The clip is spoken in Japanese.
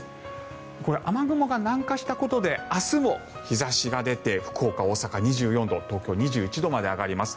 これ、雨雲が南下したことで明日も日差しが出て福岡、大阪、２４度東京、２１度まで上がります。